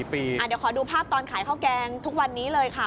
เดี๋ยวขอดูภาพตอนขายข้าวแกงทุกวันนี้เลยค่ะ